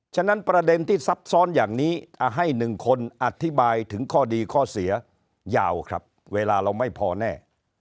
ฉะนั้นประเด็นที่ซับซ้อนอย่างนี้ให้๑คนอธิบายถึงข้อดีข้อเสียยาวครับเวลาเราไม่พอแน่